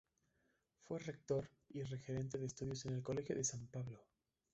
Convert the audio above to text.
Fue rector y regente de estudios en el Colegio de San Pablo.